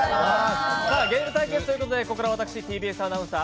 ゲーム対決ということでここからは私、ＴＢＳアナウンサー、